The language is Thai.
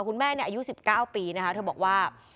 คุณแม่อายุ๑๙ปีนะคะเธอบอกว่า